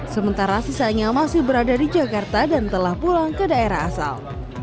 sementara sisanya masih berada di jakarta dan telah pulang ke daerah asal